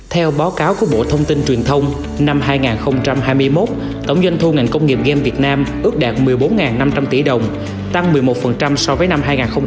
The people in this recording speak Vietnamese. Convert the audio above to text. theo báo cáo của bộ thông tin truyền thông năm hai nghìn hai mươi một tổng doanh thu ngành công nghiệp game việt nam ước đạt một mươi bốn năm trăm linh tỷ đồng tăng một mươi một so với năm hai nghìn hai mươi hai